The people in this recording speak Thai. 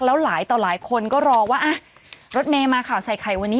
แล้วหลายต่อหลายคนก็รอว่าอ่ะรถเมย์มาข่าวใส่ไข่วันนี้